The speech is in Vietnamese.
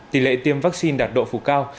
tỷ lệ tiêm vaccine đạt độ phù cao